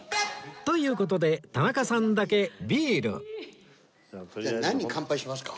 という事で田中さんだけビールなんに乾杯しますか？